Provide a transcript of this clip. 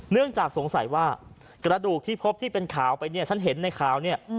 เนื่องจากสงสัยว่ากระดูกที่พบที่เป็นข่าวไปเนี่ยฉันเห็นในข่าวเนี่ย